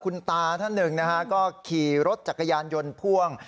คุณตาท่านหนึ่งนะฮะก็ขี่รถจักรยานยนต์พ่วง